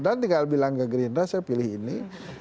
dan tinggal bilang ke gerinda saya pilih ini